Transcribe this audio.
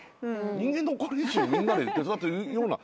人間の歩行練習をみんなで手伝ってるような。